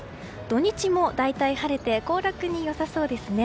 土日も大体晴れて行楽に良さそうですね。